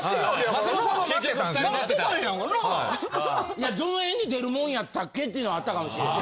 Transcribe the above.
いやどのへんに出るもんやったっけ？っていうのはあったかもしれん。